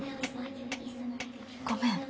ごめん